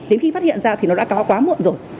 đến khi phát hiện ra thì nó đã có quá muộn rồi